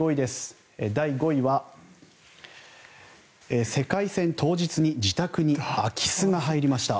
第５位は世界戦当日に自宅に空き巣が入りました。